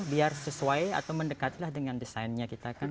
biar sesuai atau mendekatilah dengan desainnya kita kan